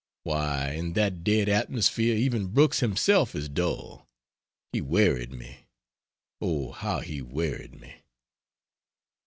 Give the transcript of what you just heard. Why, in that dead atmosphere even Brooks himself is dull he wearied me; oh how he wearied me!